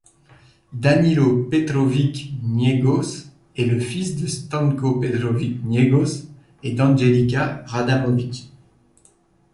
Danilo Petrović-Njegoš est le fils de Stanko Petrović-Njegoš et d'Angelika Radamović.